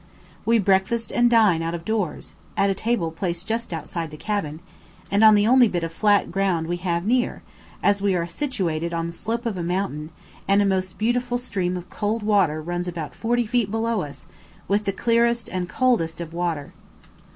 We breakfast and dine out of doors, at a table placed just outside the cabin, and on the only bit of flat ground we have near, as we are situated on the slope of a mountain, and a most beautiful stream of water runs about forty feet below us with the clearest and coldest of water.